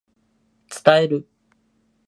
伝える